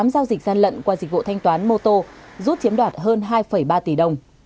tám giao dịch gian lận qua dịch vụ thanh toán mô tô rút chiếm đoạt hơn hai ba tỷ đồng